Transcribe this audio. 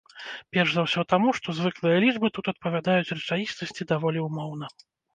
Перш за ўсё таму, што звыклыя лічбы тут адпавядаюць рэчаіснасці даволі ўмоўна.